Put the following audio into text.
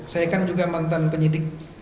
saya kan juga mantan penyidik